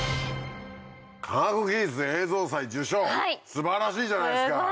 科学技術映像祭受賞素晴らしいじゃないですか。